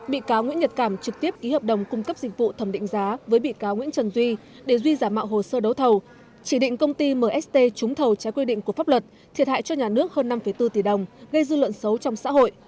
bị cáo nguyễn nhật cảm trực tiếp ký hợp đồng cung cấp dịch vụ thẩm định giá với bị cáo nguyễn trần duy để duy giả mạo hồ sơ đấu thầu chỉ định công ty mst trúng thầu trái quy định của pháp luật thiệt hại cho nhà nước hơn năm bốn tỷ đồng gây dư luận xấu trong xã hội